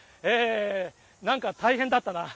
なんか大変だったな。